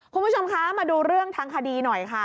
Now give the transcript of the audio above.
คุณผู้ชมคะมาดูเรื่องทางคดีหน่อยค่ะ